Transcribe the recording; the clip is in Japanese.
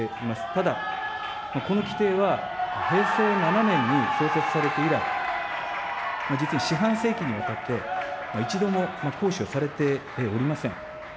ただ、この規定は平成７年に創設されて以来、実に四半世紀にわたって、一度も行使をされておりません。